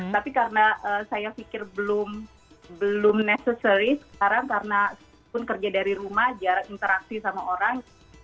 tapi karena saya pikir belum necessary sekarang karena pun kerja dari rumah jarak interaksi sama orang